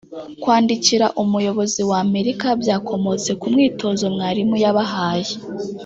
Kwandikira Umuyobozi wa Amerika byakomotse ku mwitozo mwarimu yabahaye